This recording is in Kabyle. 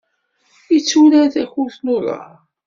Yetturar takurt n uḍar.